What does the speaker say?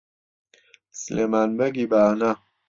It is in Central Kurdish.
سلێمان بەگی بانە